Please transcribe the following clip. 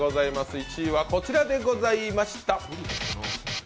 １位はこちらでございました。